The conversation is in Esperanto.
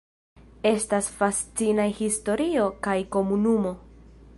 Estas fascinaj historio kaj komunumo.